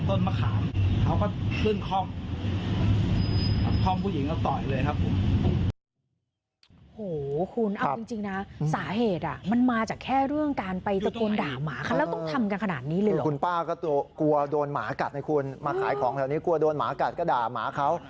ทำไมจาจาแบบนี้มีอะไรเขาคุยกันเด็กเขาบอกมันคุยแล้ว